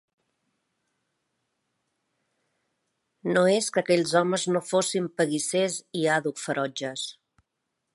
No és que aquells homes no fossin peguissers i àdhuc ferotges.